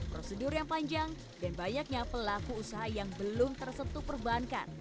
prosedur yang panjang dan banyaknya pelaku usaha yang belum tersentuh perbankan